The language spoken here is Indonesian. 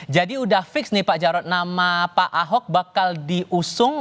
jadi sudah fix nih pak jarod nama pak ahok bakal diusung